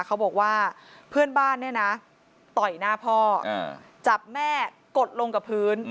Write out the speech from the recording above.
เขาบอกว่าเพื่อนบ้านเนี่ยนะต่อยหน้าพ่อจับแม่กดลงกับพื้น